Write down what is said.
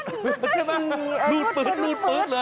ใช่ไหมลูดปื๊ดเลย